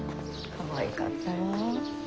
かわいかったわ。